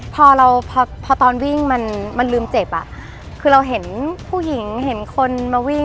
พอตอนวิ่งมันลืมเจ็บคือเราเห็นผู้หญิงเห็นคนมาวิ่ง